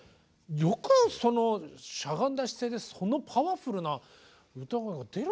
よくそのしゃがんだ姿勢でそのパワフルな歌声が出るなと思って。